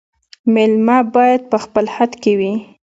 مېلمه باید په خپل حد کي وي